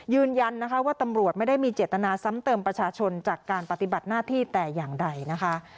ยืนยันนะคะว่าตำรวจไม่ได้มีเจตนาซ้ำเติมประชาชนจากการปฏิบัติหน้าที่แต่อย่างใดนะคะ